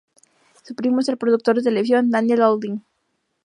Su primo es el productor de televisión Daniel Baldwin.